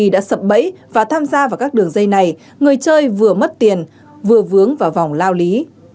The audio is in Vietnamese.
đã sập bẫy và tham gia vào các đường dây này người chơi vừa mất tiền vừa vướng vào vòng lao lý